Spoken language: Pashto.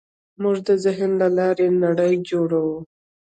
موږ د ذهن له لارې نړۍ جوړوو.